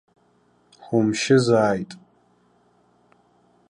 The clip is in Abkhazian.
Ҳумшьызааит!